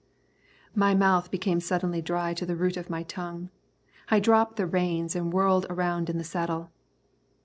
My mouth became suddenly dry to the root of my tongue. I dropped the reins and whirled around in the saddle.